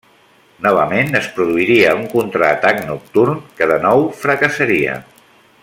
Novament es produiria un contraatac nocturn, que de nou fracassaria.